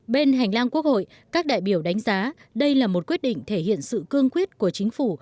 bên hành lang quốc hội các đại biểu đánh giá đây là một quyết định thể hiện sự cương quyết của chính phủ